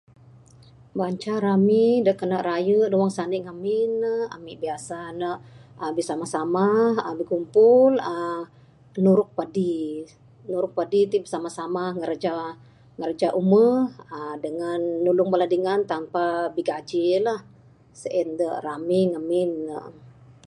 Banca rami da kana raye ne wang sani ngamin ne ami biasa ne uhh bisamah-samah uhh bikumpul uhh nuruk padi...nuruk padi ti bisamah-samah ngiraja...ngiraja umeh uhh nulung bala dingan tanpa bigaji la...sien da rami ngamin ne.